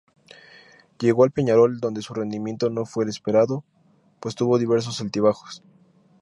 Llegó al Peñarol donde su rendimiento no fue el esperado pues tuvo diversos altibajos.